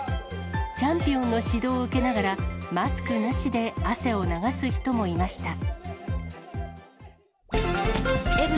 チャンピオンの指導を受けながら、マスクなしで汗を流す人もいました。